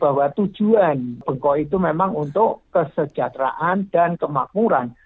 bahwa tujuan bengkok itu memang untuk kesejahteraan dan kemakmuran